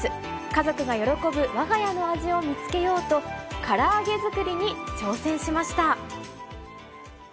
家族が喜ぶわが家の味を見つけようと、から揚げ作りに挑戦しました。